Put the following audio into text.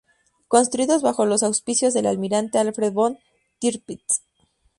Construidos bajo los auspicios del almirante Alfred von Tirpitz.